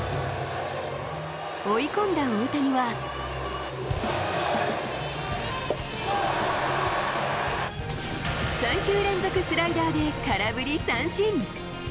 追い込んだ大谷は３球連続スライダーで空振り三振。